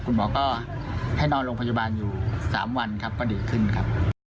คุณหมอก็ให้นอนลงพยุบันอยู่๓วันก็ดื่อขึ้นครับ